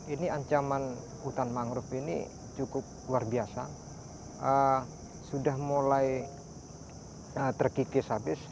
ini ancaman hutan mangrove ini cukup luar biasa sudah mulai terkikis habis